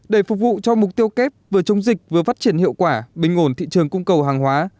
để phục vụ cho mục tiêu kép vừa chống dịch vừa phát triển hiệu quả bình ổn thị trường cung cầu hàng hóa